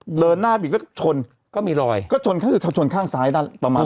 นี่ก็เวรหน้าคือก็ชนก็มีรอยก็ชนชนชนข้างซ้ายด้านประมาณ